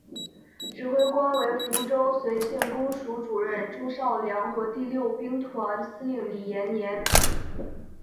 指挥官为福州绥靖公署主任朱绍良和第六兵团司令李延年。